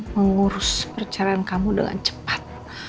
mengurus perceraian kamu dengan cepat